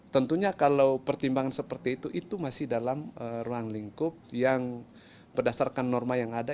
tentunya kalau pertimbangan seperti itu itu masih dalam ruang lingkup yang berdasarkan norma yang ada